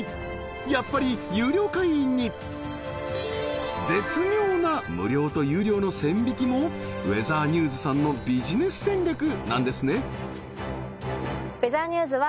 やっぱり有料会員に絶妙な無料と有料の線引きもウェザーニューズさんのビジネス戦略なんですね